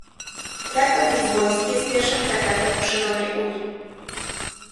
Traktat lizboński jest pierwszym traktatem poszerzonej Unii